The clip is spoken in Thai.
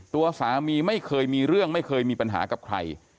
ตัวสามีไม่เคยมีเรื่องไม่เคยมีปัญหากับใคร